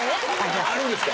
あるんですか？